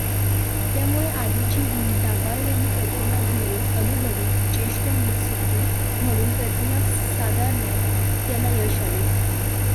त्यामुळे आधीची डागाळलेली प्रतिमा धुवून अनुभवी, ज्येष्ठ मुत्सद्दी म्हणून प्रतिमा सुधारण्यात त्याला यश आले.